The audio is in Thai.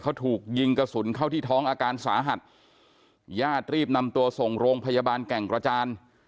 เขาถูกยิงกระสุนเข้าที่ท้องอาการสาหัสญาติรีบนำตัวส่งโรงพยาบาลแก่งกระจาน